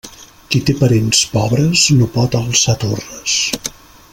Qui té parents pobres no pot alçar torres.